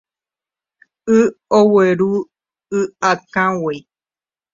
Y ogueru y'akãgui.